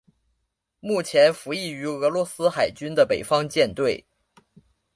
目前服役于俄罗斯海军的北方舰队。